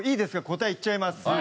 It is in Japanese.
答え言っちゃいます。